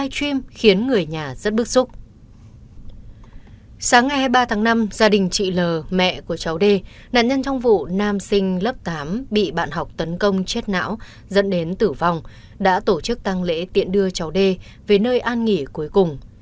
trong năm gia đình chị l mẹ của cháu d nạn nhân trong vụ nam sinh lớp tám bị bạn học tấn công chết não dẫn đến tử vong đã tổ chức tăng lễ tiện đưa cháu d về nơi an nghỉ cuối cùng